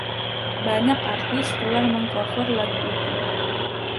Banyak artis telah mengcover lagu itu.